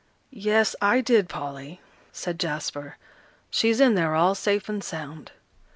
"Yes, I did, Polly," said Jasper; "she's in there all safe and sound."